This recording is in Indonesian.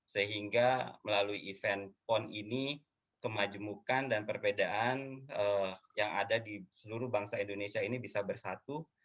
sehingga melalui event pon ini kemajemukan dan perbedaan yang ada di seluruh bangsa indonesia ini bisa bersatu